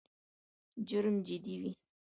جرم جدي وي.